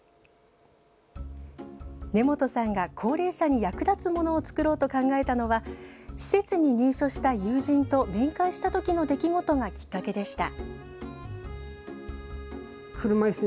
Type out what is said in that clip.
根本さんが、高齢者に役立つものを作ろうと考えたのは施設に入所した友人と面会したときの出来事がきっかけでした。